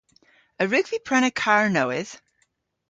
A wrug vy prena karr nowydh?